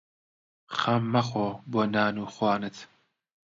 خەم مەخۆ بۆ نان و خوانت